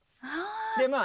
でまあ